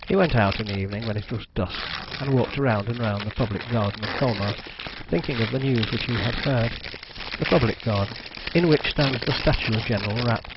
He went out in the evening when it was dusk and walked round and round the public garden of Colmar, thinking of the news which he had heard the public garden, in which stands the statue of General Rapp.